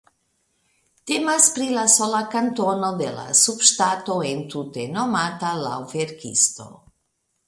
Temas pri la sola kantono de la subŝtato entute nomata laŭ verkisto.